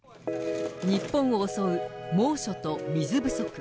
日本を襲う猛暑と水不足。